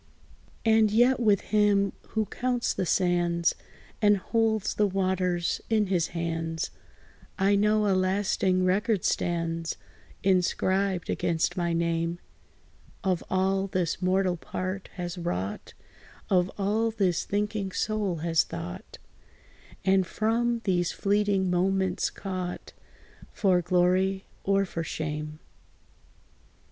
And yet, with Him, who counts the sands, And holds the waters in his hands, I know a lasting record stands, Inscribed against my name, Of all, this mortal part has wrought; Of all, this thinking soul has thought; And from these fleeting moments caught For glory, or for shame.